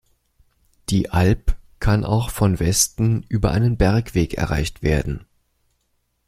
Die Alp kann auch von Westen über einen Bergweg erreicht werden.